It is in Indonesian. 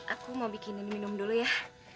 aku mau bikin ini minum dulu ya